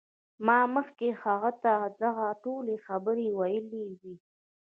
ما مخکې هغه ته دغه ټولې خبرې ویلې وې